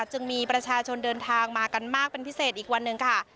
จึงมีประชาชนเดินทางมากันมากเป็นพิเศษอีกวันหนึ่งค่ะ